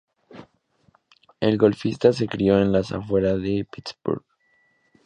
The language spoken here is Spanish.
El golfista se crio en las afuera de Pittsburgh.